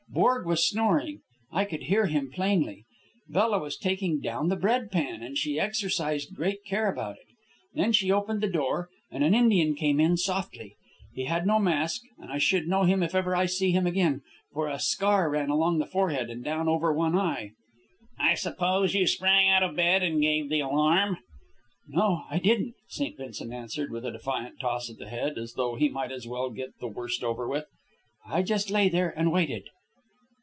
Borg was snoring; I could hear him plainly. Bella was taking down the bread pan, and she exercised great care about it. Then she opened the door, and an Indian came in softly. He had no mask, and I should know him if ever I see him again, for a scar ran along the forehead and down over one eye." "I suppose you sprang out of bed and gave the alarm?" "No, I didn't," St. Vincent answered, with a defiant toss of the head, as though he might as well get the worst over with. "I just lay there and waited."